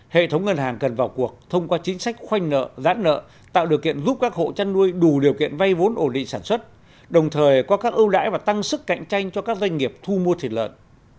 hệ thống ngân hàng cần vào cuộc thông qua chính sách khoanh nợ giãn nợ tạo điều kiện giúp các hộ chăn nuôi đủ điều kiện vay vốn ổn định sản xuất đồng thời có các ưu đãi và tăng sức cạnh tranh cho các doanh nghiệp thu mua thịt lợn